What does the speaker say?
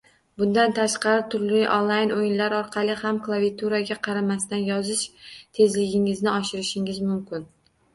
Bundan tashqari turli online o’yinlar orqali ham klaviaturaga qaramasdan yozish tezligingizni oshirishingiz mumkin